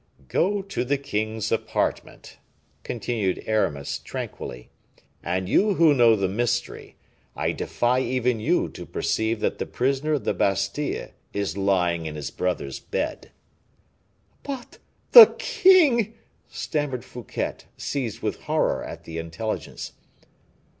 "Go to the king's apartment," continued Aramis, tranquilly, "and you who know the mystery, I defy even you to perceive that the prisoner of the Bastile is lying in his brother's bed." "But the king," stammered Fouquet, seized with horror at the intelligence.